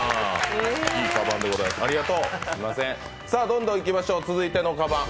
どんどんいきましょう、続いてのかばん。